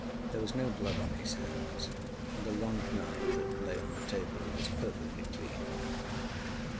There was no blood on his hands, and a long knife that lay on the table was perfectly clean.